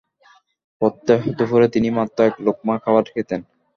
প্রত্যহ দুপুরে তিনি মাত্র এক লুকমা খাবার খেতেন।